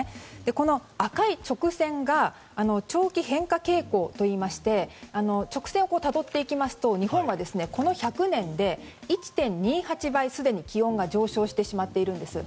この赤い直線が長期変化傾向といいまして直線をたどっていくと日本は、この１００年で１．２８倍、すでに気温が上昇してしまっているんです。